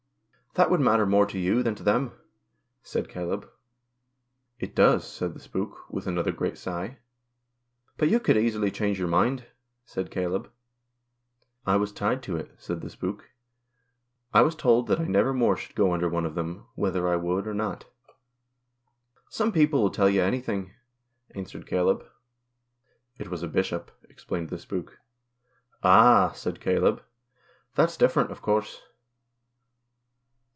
" That would matter more to you than to them," said Caleb. " It does," said the spook, with another great sigh. " But you could easily change your mind," said Caleb. "I was tied to it," said the spook, "I was told that I never more should go under one of them, whether I would or not." " Some people will tell you anything," answered Caleb. " It was a Bishop," explained the spook. "Ah!" said Caleb, "thatJs different, of course."